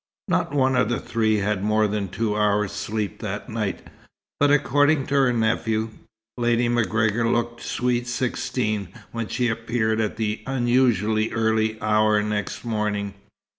Not one of the three had more than two hours' sleep that night, but according to her nephew, Lady MacGregor looked sweet sixteen when she appeared at an unusually early hour next morning.